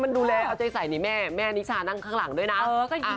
มันดูแลเอาใจใส่นี่แม่แม่นิชานั่งข้างหลังด้วยนะ